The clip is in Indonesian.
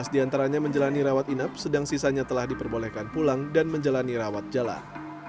tujuh belas diantaranya menjalani rawat inap sedang sisanya telah diperbolehkan pulang dan menjalani rawat jalan